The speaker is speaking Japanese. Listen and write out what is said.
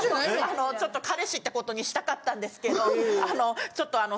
あのちょっと彼氏ってことにしたかったんですけどあのちょっとあの。